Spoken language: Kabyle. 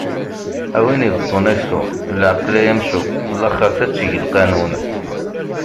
A win ibeṭṭun aksum leɛqel ay amcum, laxeṛt ad teg lqanun!